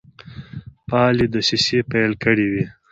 فعالي دسیسې پیل کړي وې.